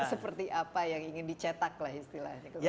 seperti apa yang ingin dicetak lah istilahnya